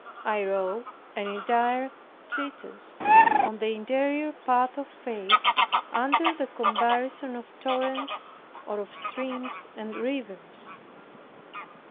I wrote an entire treatise on the interior path of faith, under the comparison of torrents, or of streams and rivers.